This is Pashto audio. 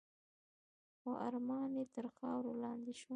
خو ارمان یې تر خاورو لاندي شو .